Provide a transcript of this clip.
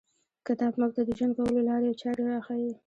کتاب موږ ته د ژوند کولو لاري او چاري راښیي.